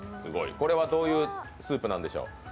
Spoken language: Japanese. これはどういうスープなんでしょう？